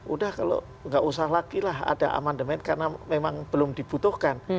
udah kalau nggak usah lagi lah ada amandemen karena memang belum dibutuhkan